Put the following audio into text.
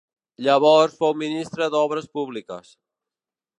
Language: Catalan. Llavors fou ministre d'Obres Públiques.